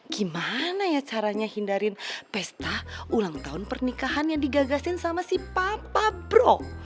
gimana ya caranya hindari pesta ulang tahun pernikahan yang digagasin sama si papa pro